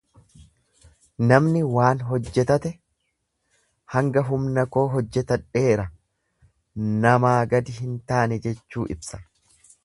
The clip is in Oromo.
Namni waan hojjetate hanga humna koo hojjetadheera, namaa gadi hin taane jechuu ibsa.